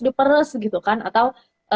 diperes gitu kan atau